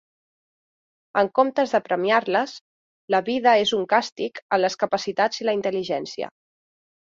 En comptes de premiar-les, la vida és un càstig a les capacitats i la intel·ligència.